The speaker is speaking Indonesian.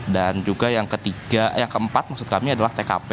dan juga yang ketiga yang keempat maksud kami adalah tkp